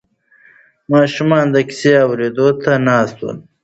ماشومان د کیسې اورېدو ته ناست ول.